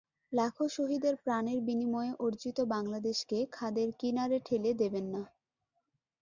লাখো শহীদের প্রাণের বিনিময়ে অর্জিত বাংলাদেশকে খাদের কিনারে ঠেলে দেবেন না।